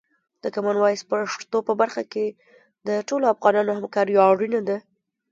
د کامن وایس پښتو په برخه کې د ټولو افغانانو همکاري اړینه ده.